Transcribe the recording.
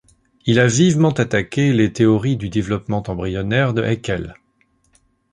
Il a vivement attaqué les théories du développement embryonnaire de Haeckel.